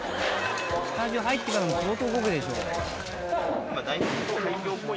スタジオ入ってからも相当動くでしょ。